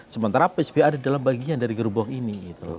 sementara psba ada di dalam bagian dari gerbong ini